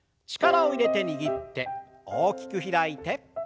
力を入れて握って大きく開いて。